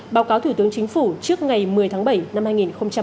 báo cáo thủ tướng chính phủ trước ngày một mươi tháng bảy năm hai nghìn hai mươi